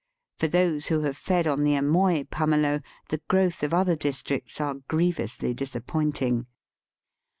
For those who have fed on the Amoy pumelo the growth of other districts are grievously disappointing.